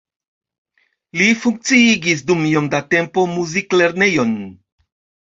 Li funkciigis dum iom da tempo muziklernejon.